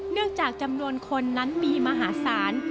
เนื่องจากจำนวนคนนั้นมีมหาศาล